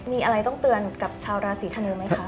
มีอะไรต้องเตือนกับชาวราศีธนูไหมคะ